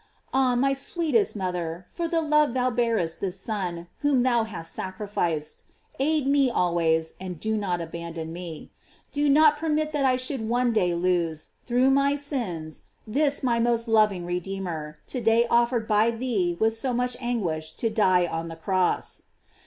Ah, my sweetest mother, for the love thou bear est this Son whom thou hast sacrificed, aid me always, and do not abandon me. Do not permit that I should one day lose, through my sins, this my most loving Redeemer, to day offered GLOKIES OF MARY. 475 by thee with so much anguish to die on the cross.